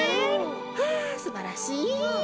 はあすばらしい。